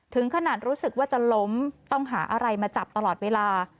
ถึงขนาดรู้สึกว่าจะล้มต้องหาอะไรมาจับตลอดเวลา